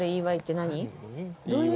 何？